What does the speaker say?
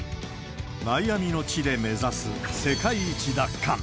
マイアミの地で目指す世界一奪還。